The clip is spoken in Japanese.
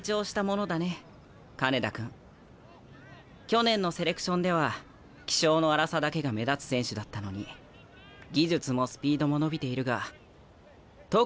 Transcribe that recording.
去年のセレクションでは気性の荒さだけが目立つ選手だったのに技術もスピードも伸びているが特に体幹だよね。